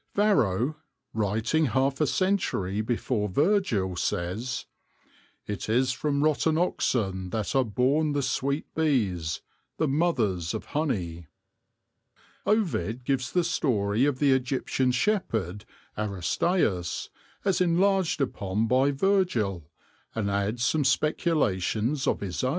Varro, writing half a century before Virgil, says, " it is from rotten oxen that are born the sweet bees, the mothers of honey/' Ovid gives the story of the Egyptian shepherd Aristaeus as enlarged upon by Virgil, and adds some speculations of his own.